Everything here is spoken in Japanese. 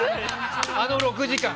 あの６時間。